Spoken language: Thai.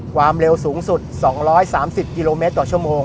ความเร็วสูงสุด๒๓๐กิโลเมตรต่อชั่วโมง